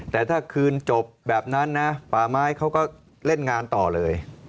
แต่ถ้าคืนจบแบบนั้นนะป่าไม้เขาก็เล่นงานต่อเลย